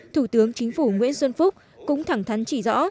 thủ tướng chính phủ nguyễn xuân phúc cũng thẳng thắn chỉ rõ